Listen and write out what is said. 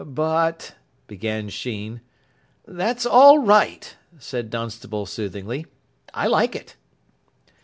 "But " began Sheen. "That's all right," said Dunstable soothingly. "I like it."